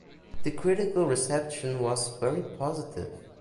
The critical reception was very positive.